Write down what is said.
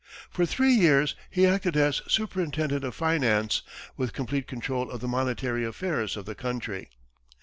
For three years, he acted as superintendent of finance, with complete control of the monetary affairs of the country.